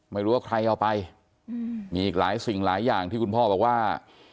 ไม่รู้ว่าใครเอาไปมีอีกหลายสิ่งหลายอย่างที่คุณพ่อบอกว่า